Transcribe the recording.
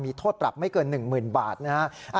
มีโทษปรับไม่เกิน๑๐๐๐บาทนะครับ